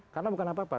karena bukan apa apa